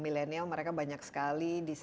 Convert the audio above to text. memusnahkan perdamaian seperti hosting